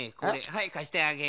はいかしてあげる。